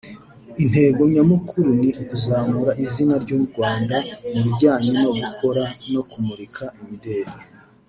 Intego nyamukuru ni ukuzamura izina ry’u Rwanda mu bijyanye no gukora no kumurika imideli